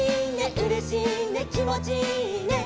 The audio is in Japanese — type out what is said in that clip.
「うれしいねきもちいいね」